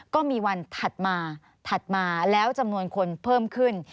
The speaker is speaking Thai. วันถัดมาถัดมาแล้วจำนวนคนเพิ่มขึ้น